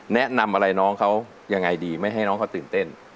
แนะนำอะไรน้องเขายังไงดีไม่ให้น้องเขาตื่นเต้น